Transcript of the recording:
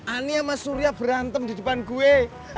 ani sama surya berantem di depan gue